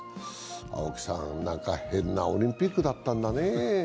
青木さん、なんか変なオリンピックだったんだねえ。